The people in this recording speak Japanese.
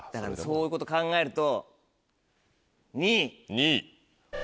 そういうこと考えると２位。